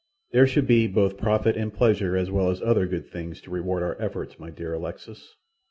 "There should be both profit and pleasure as well as other good things to reward our efforts, my dear Alexis.